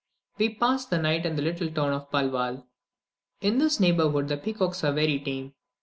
We passed the night in the little town of Palwal. In this neighbourhood, the peacocks are very tame.